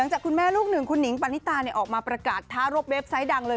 จากคุณแม่ลูกหนึ่งคุณหิงปณิตาออกมาประกาศท้ารบเว็บไซต์ดังเลย